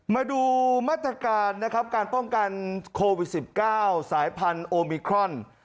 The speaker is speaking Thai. มาดูมาตรการนะครับการป้องกันโควิด๑๙สายพันธุ์โอมิครอน